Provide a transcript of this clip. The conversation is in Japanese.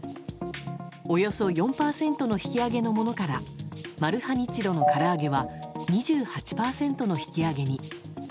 およそ４％の引き上げのものからマルハニチロのから揚げは２８％の引き上げに。